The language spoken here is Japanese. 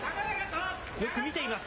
よく見ています。